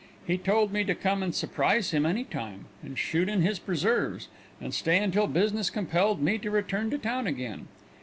He told me to come and surprise him any time, and shoot in his preserves, and stay until business compelled me to return to town again.